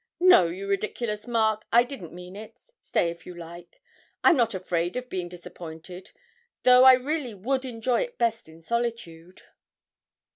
No, you ridiculous Mark, I didn't mean it stay if you like, I'm not afraid of being disappointed though I really would enjoy it best in solitude!'